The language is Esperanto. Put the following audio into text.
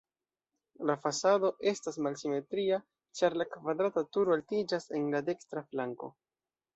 La fasado estas malsimetria, ĉar la kvadrata turo altiĝas en la dekstra flanko.